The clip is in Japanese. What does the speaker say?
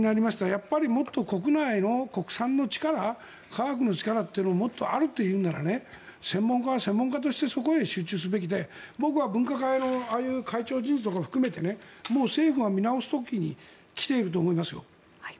やっぱりもっと国内の国産の力科学の力というのをもっとあるというなら専門家は専門家としてそこへ集中すべきで僕は分科会のああいう会長人事も含めてもう政府は見直す時に来ていると思いますよ。